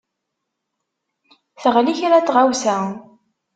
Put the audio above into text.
Teɣli kra n tɣewsa.